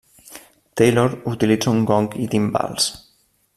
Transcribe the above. Taylor utilitza un gong i timbals.